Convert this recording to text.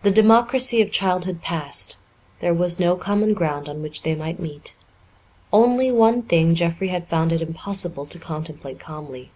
The democracy of childhood past, there was no common ground on which they might meet. Only one thing Jeffrey had found it impossible to contemplate calmly.